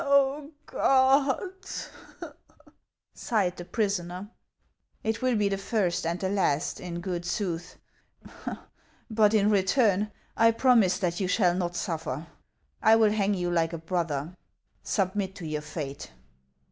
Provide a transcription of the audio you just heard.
" Oh, God !" sighed the prisoner. "It will be the first and last, in good sooth; but, in return. I promise that you shall not suffer. I will hang you like a brother; submit to your fate."